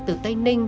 từ tây ninh